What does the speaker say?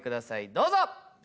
どうぞ！